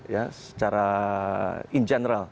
ya secara in general